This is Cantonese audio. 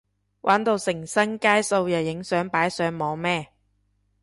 玩到成身街數又影相擺上網咩？